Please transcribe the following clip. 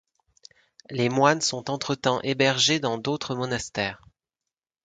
Les moines sont entre-temps hébergés dans d'autres monastères.